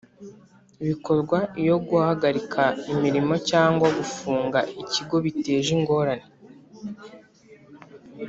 Bikorwa iyo guhagarika imirimo cyangwa gufunga Ikigo biteje ingorane